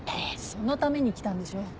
そのために来たんでしょ。